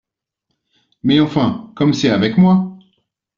Mais enfin, comme c’est avec moi !…